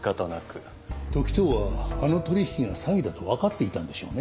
時任はあの取引が詐欺だとわかっていたんでしょうね。